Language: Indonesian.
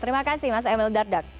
terima kasih mas emil dardak